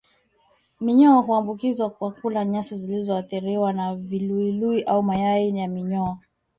Minyoo huambukizwa kwa kula nyasi zilizoathiriwa na viluilui au mayai ya minyoo